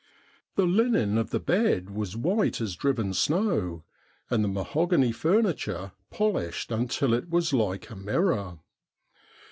The linen of the bed was white as driven snow, and the mahogany furniture polished until it was like a mirror.